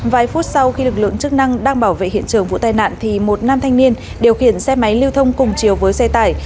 vài phút sau khi lực lượng chức năng đang bảo vệ hiện trường vụ tai nạn thì một nam thanh niên điều khiển xe máy lưu thông cùng chiều với xe tải